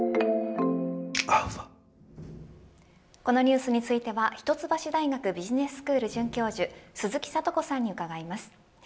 このニュースについては一橋大学ビジネススクール准教授鈴木智子さんに伺います。